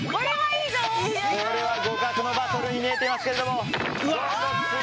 これは互角のバトルに見えてますけども。